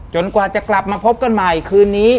กว่าจะกลับมาพบกันใหม่คืนนี้